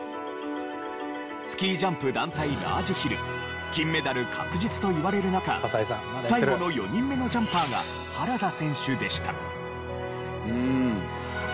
スキー・ジャンプ団体ラージヒル金メダル確実といわれる中最後の４人目のジャンパーが原田選手でした。